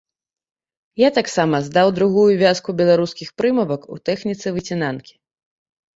Я таксама здаў другую вязку беларускіх прымавак у тэхніцы выцінанкі.